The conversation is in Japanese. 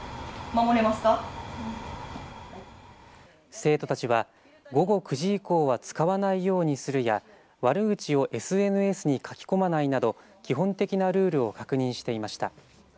生徒たちは、午後９時以降は使わないようにするや悪口をＳＮＳに書き込まないなど基本的なルールを確認していました。